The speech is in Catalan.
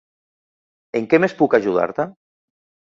En què més puc ajudar-te?